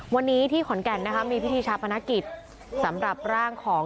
วันนี้ที่ขอนแก่นนะคะมีพิธีชาปนกิจสำหรับร่างของ